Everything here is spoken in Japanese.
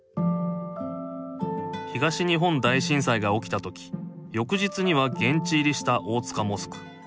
東日本大震災が起きた時翌日には現地入りした大塚モスク。